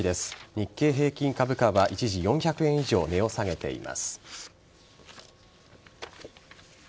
日経平均株価は一時４００円以上値を下げています。